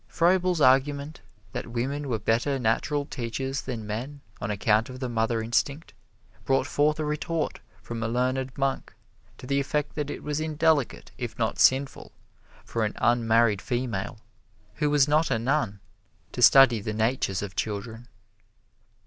Froebel's argument that women were better natural teachers than men on account of the mother instinct, brought forth a retort from a learned monk to the effect that it was indelicate if not sinful for an unmarried female, who was not a nun, to study the natures of children.